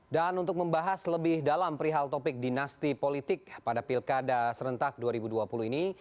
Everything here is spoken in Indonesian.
dan untuk membahas lebih dalam perihal topik dinasti politik pada pilkada serentak dua ribu dua puluh ini